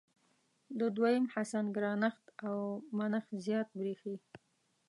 د دویم حسن ګرانښت او منښت زیات برېښي.